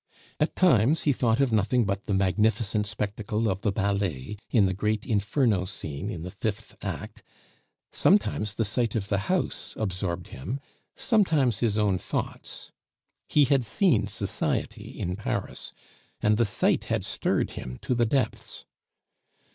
At times he thought of nothing but the magnificent spectacle of the ballet in the great Inferno scene in the fifth act; sometimes the sight of the house absorbed him, sometimes his own thoughts; he had seen society in Paris, and the sight had stirred him to the depths.